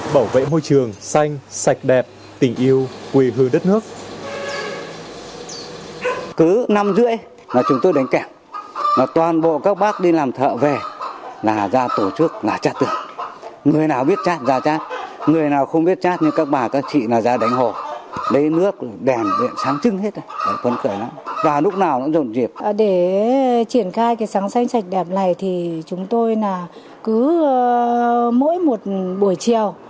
bảo vệ môi trường xanh sạch đẹp tình yêu quỳ hương đất nước